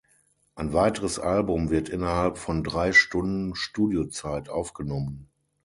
Ein weiteres Album wird innerhalb von drei Stunden Studiozeit aufgenommen.